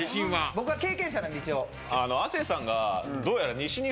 僕は経験者なんで一応。